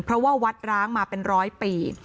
เพราะว่าวัดร้างมาเป็นร้อยปี